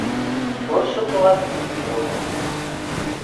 Ur cukkeɣ ad yili yuḍen.